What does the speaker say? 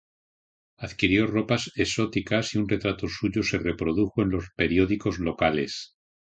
Adquirió ropas exóticas y un retrato suyo se reprodujo en los periódicos locales.